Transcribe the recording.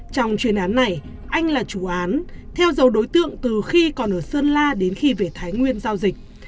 trong chuyên án này anh là chủ án theo dấu đối tượng từ khi còn ở sơn la đến khi về thái nguyên giao dịch